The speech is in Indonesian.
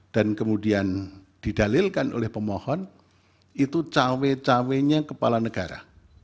dan kemudian didalilkan oleh pemohon itu cawe cawenya kepala negara